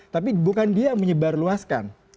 tapi bukan dia menyebarluaskan